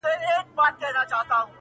هوسا کړي مي لا نه وه د ژوند ستړي سفرونه٫